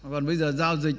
còn bây giờ giao dịch